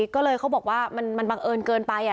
ก็เลยเขาบอกว่ามันบังเอิญเกินไป